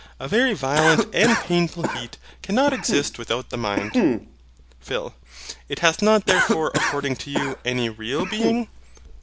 A very violent and painful heat cannot exist without the mind. PHIL. It hath not therefore according to you, any REAL being? HYL.